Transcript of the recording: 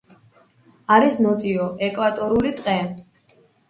არის ნოტიო ეკვატორული ტყე.